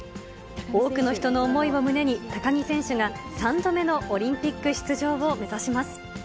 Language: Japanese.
多くの人の思いを胸に、高木選手が３度目のオリンピック出場を目指します。